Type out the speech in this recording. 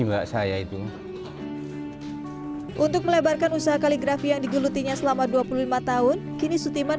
mbak saya itu untuk melebarkan usaha kaligrafi yang digelutinya selama dua puluh lima tahun kini sutiman